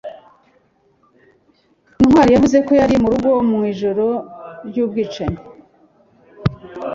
ntwali yavuze ko yari mu rugo mu ijoro ry'ubwicanyi